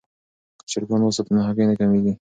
که چرګان وساتو نو هګۍ نه کمیږي.